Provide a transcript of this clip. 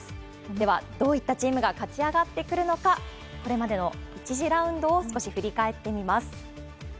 ではどういったチームが勝ち上がってくるのか、これまでの１次ラウンドを少し振り返ってみます。